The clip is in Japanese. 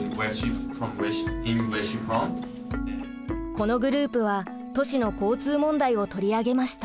このグループは都市の交通問題を取り上げました。